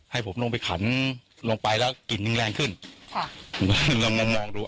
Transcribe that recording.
ให้ผมลงไปขันลงไปแล้วกลิ่นยังแรงขึ้นค่ะลองมองมองดู